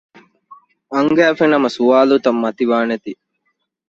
އަންގައިފި ނަމަ ސުވާލުތައް މަތިވާނޭތީ